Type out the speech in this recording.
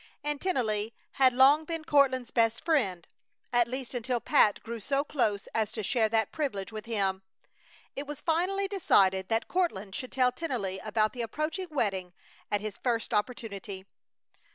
And Tennelly had long been Courtland's best friend; at least until Pat grew so close as to share that privilege with him. It was finally decided that Courtland should tell Tennelly about the approaching wedding at his first opportunity.